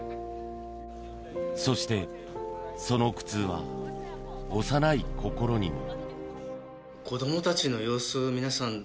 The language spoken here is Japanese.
そして、その苦痛は幼い心にも。